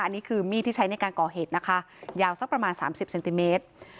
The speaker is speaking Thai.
อันนี้คือมีดที่ใช้ในการก่อเหตุนะคะยาวสักประมาณ๓๐เซนติเมตร